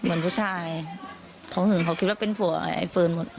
เหมือนผู้ชายเขาหึงเขาคิดว่าเป็นผัวไอ้เฟิร์นหมด